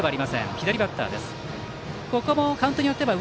左バッターです。